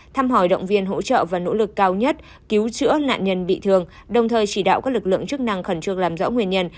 thăm hỏi động viên hỗ trợ và nỗ lực cao nhất cứu chữa nạn nhân bị thương đồng thời chỉ đạo các lực lượng chức năng khẩn trương làm rõ nguyên nhân